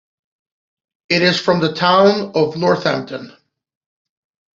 It is from the town of Northampton.